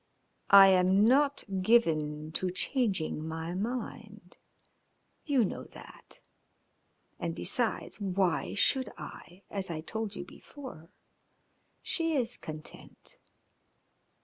"I am not given to changing my mind. You know that. And, besides, why should I? As I told you before, she is content."